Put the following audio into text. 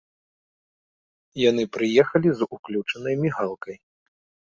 Яны прыехалі з уключанай мігалкай.